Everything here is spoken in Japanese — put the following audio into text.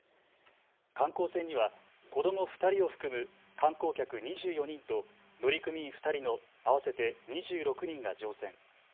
観光船には子ども２人を含む観光客２４人と乗組員２人の合わせて２６人が乗船。